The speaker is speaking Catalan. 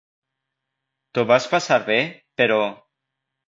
T'ho vas passar bé, però?